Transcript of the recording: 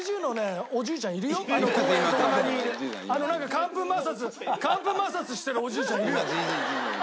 乾布摩擦乾布摩擦してるおじいちゃんいるよね。